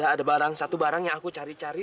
ada barang satu barang yang aku cari cari